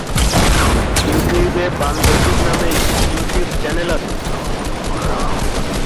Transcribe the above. চোখ বাঁধা অবস্থায় সে অন্যদের ধরার চেষ্টা করে।